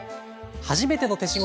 「はじめての手仕事」。